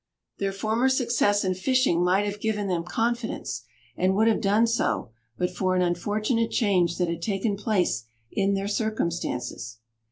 Their former success in fishing might have given them confidence, and would have done so but for an unfortunate change that had taken place in their circumstances.